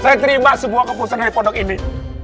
saya terima sebuah keputusan hai pondok ini